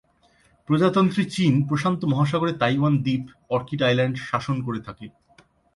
প্রজাতন্ত্রী চীন প্রশান্ত মহাসাগরের তাইওয়ান দ্বীপ, অর্কিড আইল্যান্ড, শাসন করে থাকে।